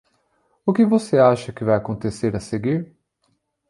O que você acha que vai acontecer a seguir?